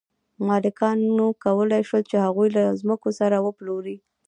مالکانو کولی شول چې هغوی له ځمکو سره وپلوري.